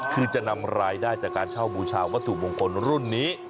คือจะนำรายได้จากการเช่าบูชาวัตถุมงคลรุ่นนี้